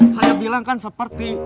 saya bilang kan seperti